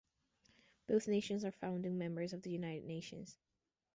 Both nations are founding members of the United Nations.